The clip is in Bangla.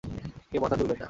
কেউ মাথা তুলবেন না।